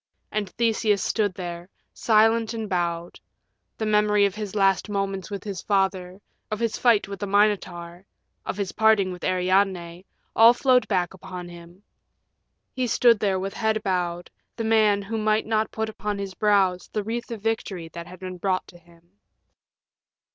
And Theseus stood there, silent and bowed; the memory of his last moments with his father, of his fight with the Minotaur, of his parting with Ariadne all flowed back upon him. He stood there with head bowed, the man who might not put upon his brows the wreath of victory that had been brought to him.